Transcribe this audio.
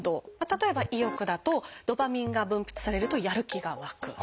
例えば「意欲」だとドパミンが分泌されるとやる気がわく。